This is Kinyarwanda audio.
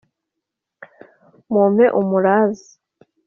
mumpe umuraza;